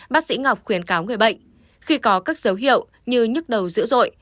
bác sĩ ngọc khuyến cáo người bệnh khi có các dấu hiệu như nhức đầu dữ dội